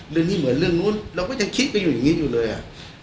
เรื่องนี้เหมือนเรื่องนู้นเราก็ยังคิดไปอยู่อย่างนี้อยู่เลยอ่ะ